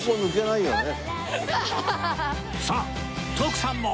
さあ徳さんも！